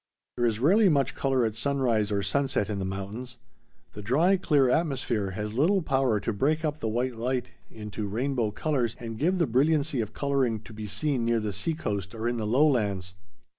There is rarely much color at sunrise or sunset in the mountains. The dry clear atmosphere has little power to break up the white light into rainbow colors and give the brilliancy of coloring to be seen near the sea coast or in the lowlands.